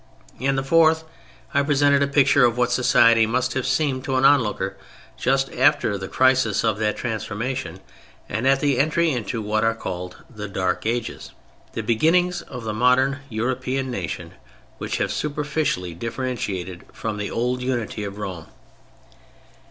In the fourth I presented a picture of what society must have seemed to an onlooker just after the crisis of that transformation and at the entry into what are called the Dark Ages: the beginnings of the modern European nations which have superficially differentiated from the old unity of Rome.